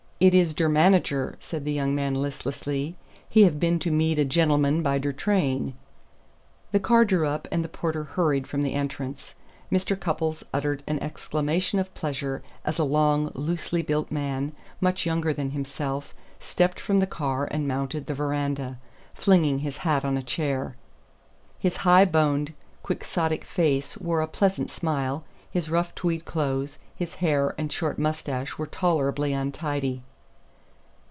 "Id is der manager," said the young man listlessly. "He have been to meed a gendleman by der train." The car drew up and the porter hurried from the entrance. Mr. Cupples uttered an exclamation of pleasure as a long, loosely built man, much younger than himself, stepped from the car and mounted the veranda, flinging his hat on a chair. His high boned Quixotic face wore a pleasant smile, his rough tweed clothes, his hair and short mustache were tolerably untidy.